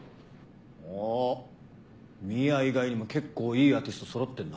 おっミア以外にも結構いいアーティスト揃ってんな。